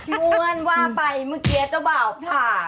มวลว่าไปเมื่อกี้เจ้าบ่าวผ่า